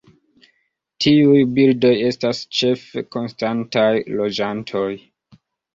Tiuj birdoj estas ĉefe konstantaj loĝantoj.